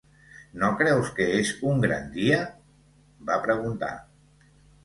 "No creus que és un gran dia?", va preguntar.